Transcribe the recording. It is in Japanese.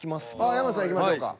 山内さんいきましょうか。